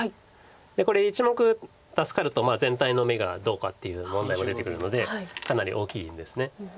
これ１目助かると全体の眼がどうかっていう問題も出てくるのでかなり大きいんです。